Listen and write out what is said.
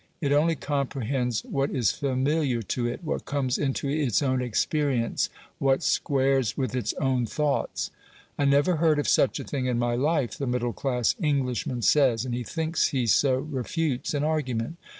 It only comprehends what is familiar to it what comes into its own experience, what squares with its own thoughts. "I never heard of such a thing in my life," the middle class Englishman says, and he thinks he so refutes an argument.